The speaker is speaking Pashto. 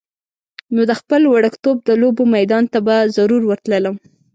نو د خپل وړکتوب د لوبو میدان ته به ضرور ورتللم.